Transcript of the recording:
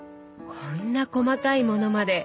こんな細かいものまで！